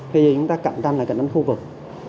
thì chúng ta cạnh tranh là cạnh tranh khu vực